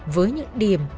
với những điểm